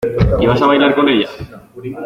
y vas a bailar con ella.